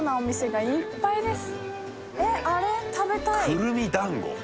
くるみだんご？